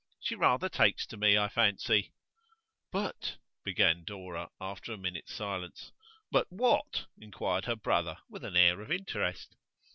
She rather takes to me, I fancy.' 'But ' began Dora, after a minute's silence. 'But what?' inquired her brother with an air of interest.